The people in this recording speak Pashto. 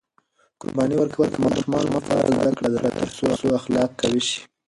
قرباني ورکول د ماشومانو لپاره زده کړه ده ترڅو اخلاق قوي شي.